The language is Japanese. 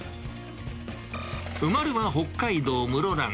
生まれた北海道室蘭。